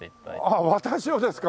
ああ私をですか？